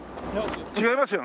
違いますよ。